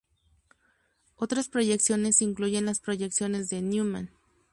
Otras proyecciones incluyen las Proyecciones de Newman.